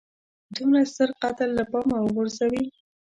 دومره ستر قتل له پامه وغورځوي.